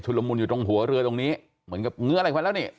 ละมุนอยู่ตรงหัวเรือตรงนี้เหมือนกับเงื้ออะไรไว้แล้วนี่